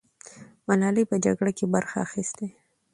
ملالۍ په جګړه کې برخه اخیستې.